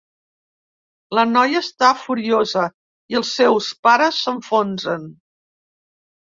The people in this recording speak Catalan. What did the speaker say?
La noia està furiosa i els seus pares s'enfonsen.